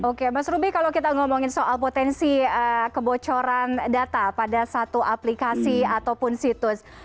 oke mas ruby kalau kita ngomongin soal potensi kebocoran data pada satu aplikasi ataupun situs